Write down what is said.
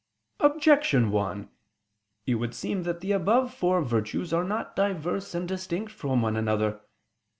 Objection 1: It would seem that the above four virtues are not diverse and distinct from one another.